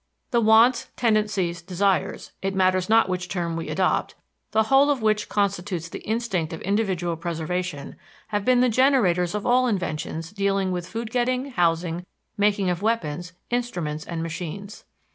The wants, tendencies, desires it matters not which term we adopt the whole of which constitutes the instinct of individual preservation, have been the generators of all inventions dealing with food getting, housing, making of weapons, instruments, and machines.